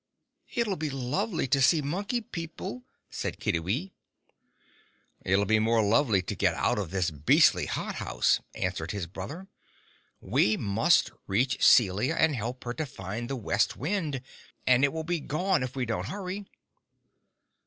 "It'll be lovely to see Monkey People," said Kiddiwee. "It'll be more lovely to get out of this beastly hot house," answered his brother. "We must reach Celia, and help her to find the West Wind, and it will be gone if we don't hurry."